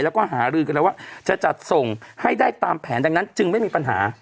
แล้วก็หารือกันแล้วว่าจะจัดส่งให้ได้ตามแผนดังนั้นจึงไม่มีปัญหา